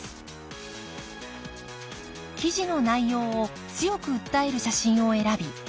記事の内容を強く訴える写真を選び